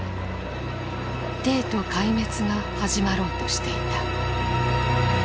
帝都壊滅が始まろうとしていた。